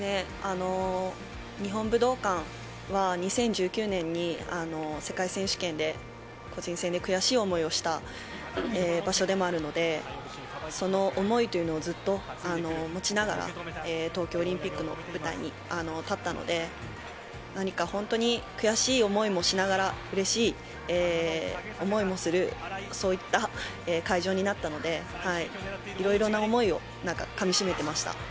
日本武道館は２０１９年に、世界選手権で個人戦で悔しい思いをした場所でもあるので、その思いというのをずっと持ちながら、東京オリンピックの舞台に立ったので、何か本当に悔しい思いもしながら、うれしい思いもする、そういった会場になったので、いろいろな思いをなんかかみしめてました。